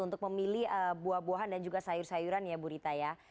untuk memilih buah buahan dan juga sayur sayuran ya bu rita ya